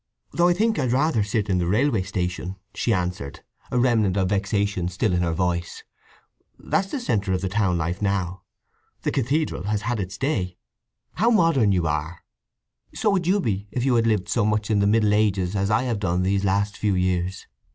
Though I think I'd rather sit in the railway station," she answered, a remnant of vexation still in her voice. "That's the centre of the town life now. The cathedral has had its day!" "How modern you are!" "So would you be if you had lived so much in the Middle Ages as I have done these last few years!